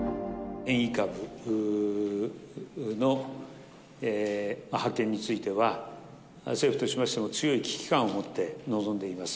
変異株の発見については、政府としましても強い危機感を持って臨んでいます。